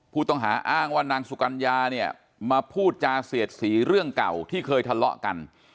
ผู้ต้องหาอ้างว่านางสุกัญญาเนี่ยมาพูดจาเสียดสีเรื่องเก่าที่เคยทะเลาะกัน